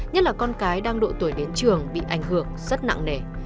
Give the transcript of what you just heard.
nhất là con cái đang độ tuổi đến trường bị ảnh hưởng rất nặng nề